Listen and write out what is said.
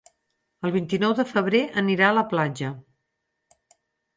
El vint-i-nou de febrer anirà a la platja.